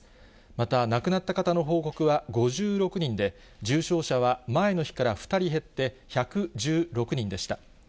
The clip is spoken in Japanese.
また、亡くなった方の報告は５６人で、重症者は前の日から２人減って、１１６人でした。